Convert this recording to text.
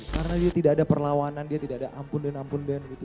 karena dia tidak ada perlawanan dia tidak ada ampun dan ampun dan gitu